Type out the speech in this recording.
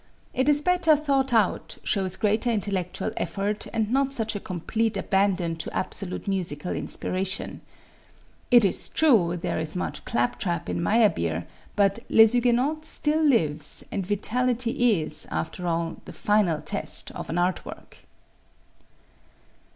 It is better thought out, shows greater intellectual effort and not such a complete abandon to absolute musical inspiration. It is true, there is much claptrap in Meyerbeer, but "Les Huguenots" still lives and vitality is, after all, the final test of an art work.